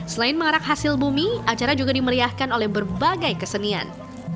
selain mengarak hasil bumi acara juga dimeriahkan oleh berbagai kesenian